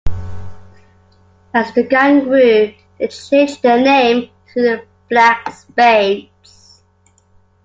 As the gang grew, they changed their name to the Black Spades.